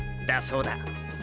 だそうだ。